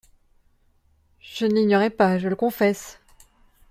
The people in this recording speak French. Je ne l'ignorais pas, je le confesse !